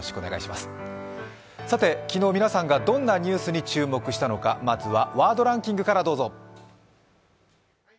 昨日皆さんがどんなニュースに注目したのかまずはワードランキングからどうぞ。